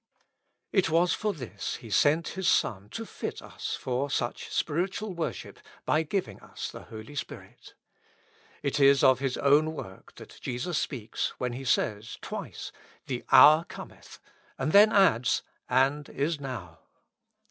It was for this He sent His Son to fit us for such spiritual worship by giving us the Holy Spirit. It is of His own work that Jesus speaks when He says twice, "The hour Cometh," and then adds, "and is now."